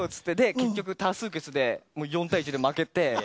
結局多数決で４対１で負けて。